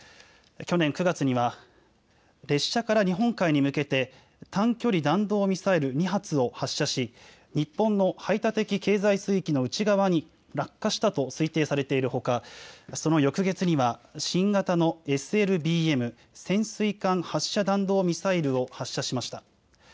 去年９月には、列車から日本海に向けて短距離弾道ミサイル２発を発射し、日本海の排他的経済水域の内側に落下したと推定されているほか、その翌月には、新型のＳＬＢＭ・潜水艦発射弾道ミサイルを発射しました。